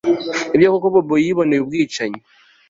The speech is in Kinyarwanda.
Nibyo koko Bobo yiboneye ubwicanyi